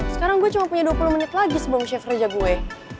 sekarang gue cuma punya dua puluh menit lagi sebelum chef raja gue